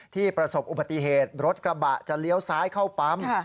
ประสบอุบัติเหตุรถกระบะจะเลี้ยวซ้ายเข้าปั๊ม